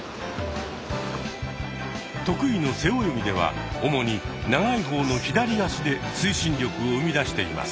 得意の背泳ぎでは主に長い方の左足で推進力を生み出しています。